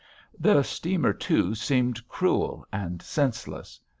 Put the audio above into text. The steamer too seemed cruel and senseless.